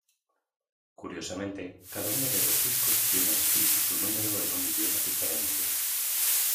Curiosamente cada uno de los discos tiene escrito su número en un idioma diferente.